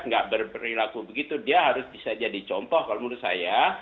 nggak berperilaku begitu dia harus bisa jadi contoh kalau menurut saya